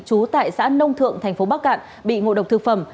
trú tại xã nông thượng thành phố bắc cạn bị ngộ độc thực phẩm